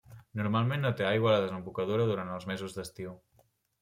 Normalment no té aigua a la desembocadura durant els mesos d'estiu.